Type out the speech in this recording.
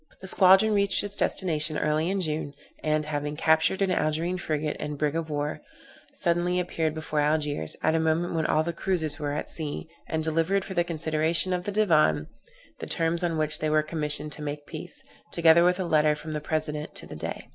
The squadron reached its destination early in June, and, having captured an Algerine frigate and brig of war, suddenly appeared before Algiers, at a moment when all the cruizers were at sea, and delivered, for the consideration of the Divan, the terms on which they were commissioned to make peace, together with a letter from the President to the Dey.